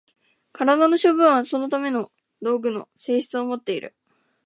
身体の諸部分はそのための道具の性質をもっている。